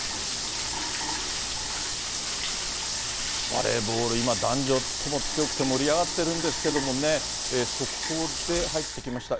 バレーボール、今男女とも強くて盛り上がってるんですけれどもね、速報で入ってきました。